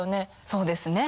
そうですね。